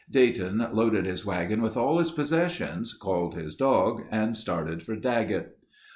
Dayton loaded his wagon with all his possessions, called his dog and started for Daggett.